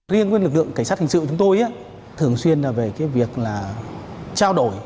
riêng nguyên lực lượng cảnh sát hình sự của chúng tôi thường xuyên về việc trao đổi